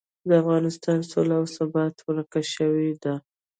د افغانستان سوله او ثبات ورک شوي دي.